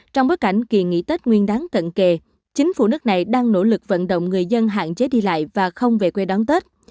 trong bối cảnh kỳ nghỉ tết nguyên đáng cận kề chính phủ nước này đang nỗ lực vận động người dân hạn chế đi lại và không về quê đón tết